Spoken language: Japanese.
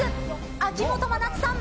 秋元真夏さん。